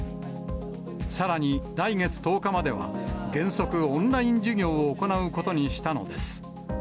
さらに来月１０日までは、原則オンライン授業を行うことにしたのです。